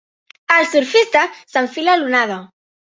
El surfista s'enfila a l'onada.